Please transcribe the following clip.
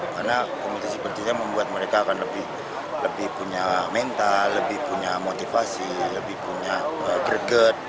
karena kompetisi berjenjang membuat mereka akan lebih punya mental lebih punya motivasi lebih punya greget